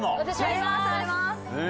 あります！